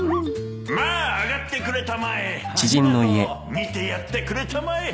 見てやってくれたまえ